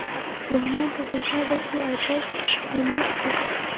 ځوانانو ته پکار ده چې، ادب غني کړي.